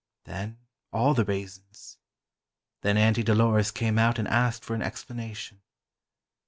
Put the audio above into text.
Then all the raisins. Then Auntie Dolores came out and asked for an explanation.